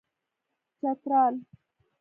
چترال